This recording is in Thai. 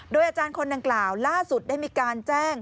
โดยอาจารย์คนดังกล่าวล่าสุดได้มีการแจ้ง